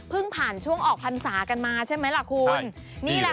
เพิ่งผ่านช่วงออกพันธุ์สากันมาใช่ไหมล่ะคุณค่ะดีเลย